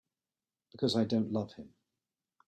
Because I don't love him.